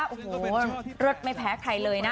โอ้โหเลิศไม่แพ้ใครเลยนะ